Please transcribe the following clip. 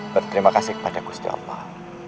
berterima kasih kepada gusti allah